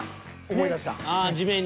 思い出した？